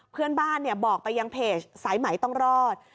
เพื่อนบ้านบอกไปยังเพจสายไหมต้องรอด